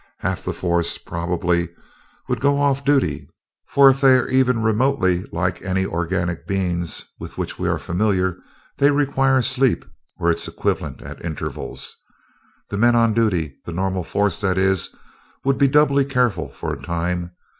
Half the force, probably, would go off duty for, if they are even remotely like any organic beings with which we are familiar, they require sleep or its equivalent at intervals. The men on duty the normal force, that is would be doubly careful for a time.